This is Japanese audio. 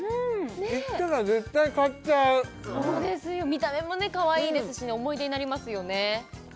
見た目もかわいいですし思い出になりますよね